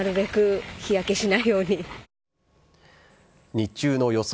日中の予想